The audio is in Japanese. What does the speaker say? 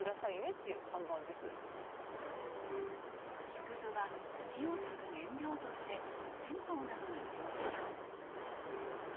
木くずは火をたく燃料として銭湯などに売れました。